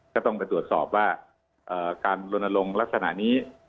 ก็ต้องไปตรวจสอบว่าการลนลงลักษณะนี้